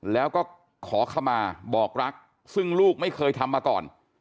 แล้วก็ขอขมาบอกรักซึ่งลูกไม่เคยทำมาก่อน